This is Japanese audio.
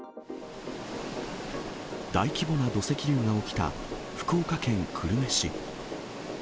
大規模な土石流が起きた福岡県久留米市。